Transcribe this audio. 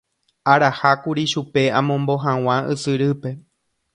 Araha kuri chupe amombo hag̃ua ysyrýpe.